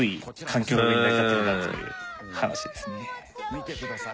見てください